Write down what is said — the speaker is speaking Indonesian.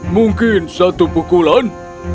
mungkin satu pukulan